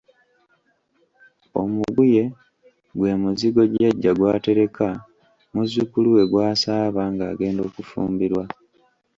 Omuguye gwe muzigo jjajja gw’aterekera muzzukulu we gw’asaaba ng’agenda okufumbirwa.